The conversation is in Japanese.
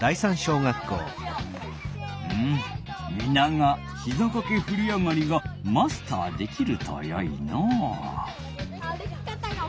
うんみながひざかけふりあがりがマスターできるとよいのう。